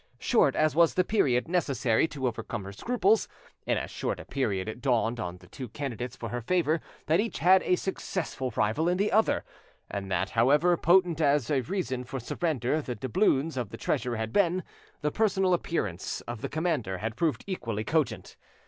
Short as was the period necessary to overcome her scruples, in as short a period it dawned on the two candidates for her favour that each had a successful rival in the other, and that however potent as a reason for surrender the doubloons of the treasurer had been, the personal appearance of the commander had proved equally cogent.